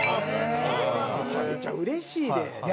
それはめちゃめちゃうれしいで先生。